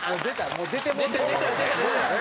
もう出てもうてるから。